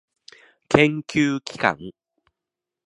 研究機関